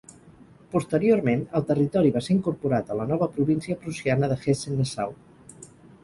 Posteriorment el territori va ser incorporat a la nova província prussiana de Hessen-Nassau.